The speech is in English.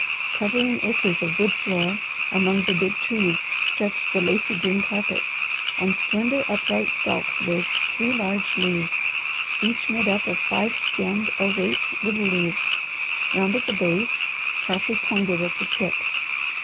Covering acres of wood floor, among the big trees, stretched the lacy green carpet. On slender, upright stalks waved three large leaves, each made up of five stemmed, ovate little leaves, round at the base, sharply pointed at the tip.